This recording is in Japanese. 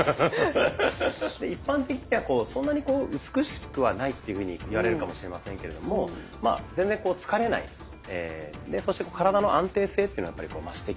一般的にはそんなに美しくはないっていうふうに言われるかもしれませんけれどもまあ全然疲れないそして体の安定性っていうのがやっぱり増してきますので。